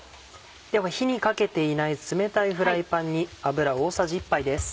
では火にかけていない冷たいフライパンに油大さじ１杯です。